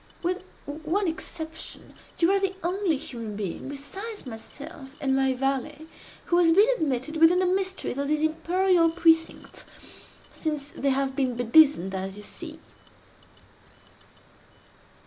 With one exception, you are the only human being besides myself and my valet, who has been admitted within the mysteries of these imperial precincts, since they have been bedizened as you see!"